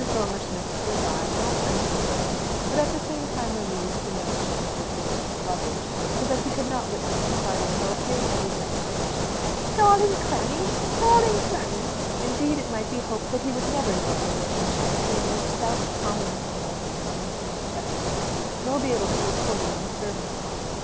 Dormer Smith stood by, not unsympathetic, but at the same time relieved to know James was busy with the luggage, so that he could not witness the parting, nor hear May's exclamation, "Darling granny! darling granny!" Indeed, it might be hoped that he would never know the relationship between this stout, common looking old woman and Miss Cheffington; nor be able to report it in the servants' hall.